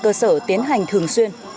cơ sở tiến hành thường xuyên